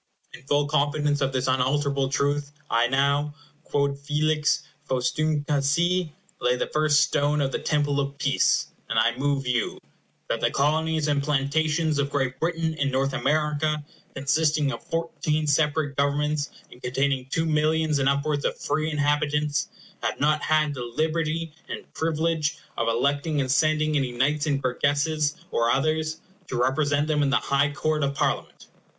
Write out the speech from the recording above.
In full confidence of this unalterable truth, I now, quod felix faustumque sit, lay the first stone of the Temple of Peace; and I move you "That the Colonies and Plantations of Great Britain in North America, consisting of fourteen separate governments, and containing two millions and upwards of free inhabitants, have not had the liberty and privilege of electing and sending any Knights and Burgesses, or others, to represent them in the High Court of Parliament."